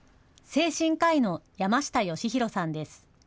精神科医の山下喜弘さんです。